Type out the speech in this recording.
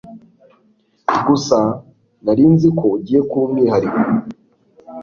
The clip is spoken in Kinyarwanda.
Gusa nari nzi ko ugiye kuba umwihariko